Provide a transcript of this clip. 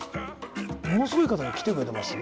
ものすごい方が来てくれてます？